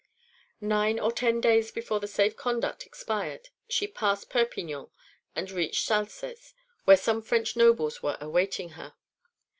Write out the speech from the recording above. Nine or ten days before the safe conduct expired she passed Perpignan and reached Salces, where some French nobles were awaiting her.